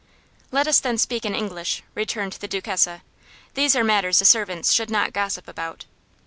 "Let us then speak in English," returned the Duchessa. "These are matters the servants should not gossip about."